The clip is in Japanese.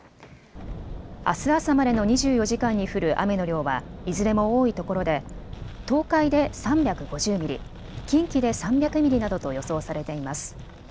あす朝までの２４時間に降る雨の量は、いずれも多いところで東海で３５０ミリ、近畿で３００ミリなどと予想されています。